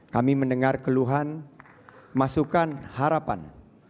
kami mendengar keluhan masukan harapan